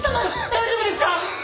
大丈夫ですか！